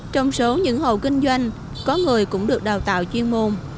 trong số những hồ kinh doanh có người cũng được đào tạo chuyên môn